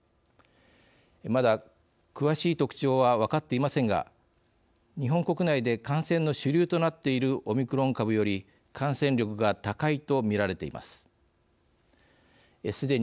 まだ詳しい特徴は分かっていませんが日本国内で感染の主流となっているオミクロン株より感染力が高いと見られています。